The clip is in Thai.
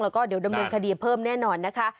แล้วก็เดี๋ยวดำเนินคดีเพิ่มแน่นอนนะคะ